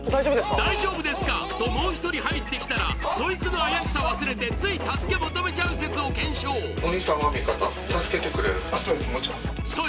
「大丈夫ですか？」ともう一人入ってきたらそいつの怪しさ忘れてつい助け求めちゃう説を検証お兄さんは味方助けてくれるそうです